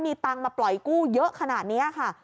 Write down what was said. มีตังค์มาปล่อยกู้เยอะขนาดนี้ค่ะ